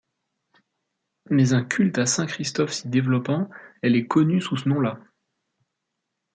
Mais un culte à saint Christophe s’y développant elle est connue sous ce nom-là.